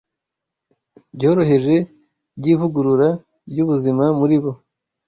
byoroheje by’ivugurura ry’ubuzima muri bo